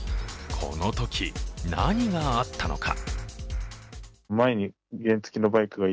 このとき、何があったのか？